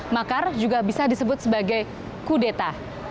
makar juga bisa disebut sebagai kudeta